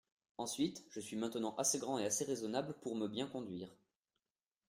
Ensuite, je suis maintenant assez grand et assez raisonnable pour me bien conduire.